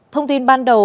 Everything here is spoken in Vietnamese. thông tin ban đầu